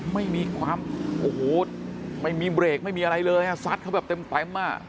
ไม่มีความโอ้โหไม่มีเบรกไม่มีอะไรเลยอ่ะซัดเขาแบบเต็มอ่ะ